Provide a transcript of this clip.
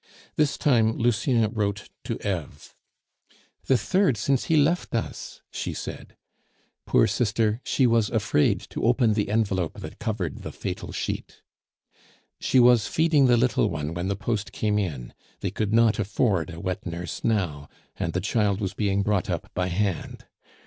This time Lucien wrote to Eve. "The third since he left us!" she said. Poor sister, she was afraid to open the envelope that covered the fatal sheet. She was feeding the little one when the post came in; they could not afford a wet nurse now, and the child was being brought up by hand.